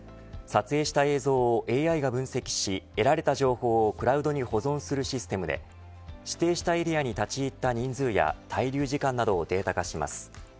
撮影した映像をＡＩが分析し得られた情報をクラウドに保存するシステムで指定したエリアに立ち入った人数や滞留時間などをデータ化します。